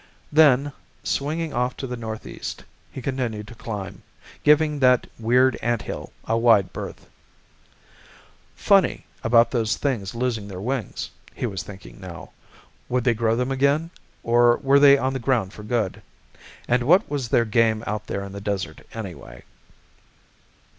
Then, swinging off to the northeast, he continued to climb, giving that weird ant hill a wide berth. Funny, about those things losing their wings, he was thinking now. Would they grow them again, or were they on the ground for good? And what was their game out there in the desert, anyway?